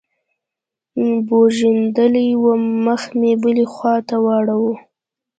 بوږنېدلى وم مخ مې بلې خوا ته واړاوه.